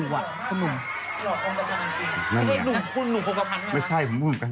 อุปฏานจริงไม่ได้ดุมคุณดุมโภคภัณฑ์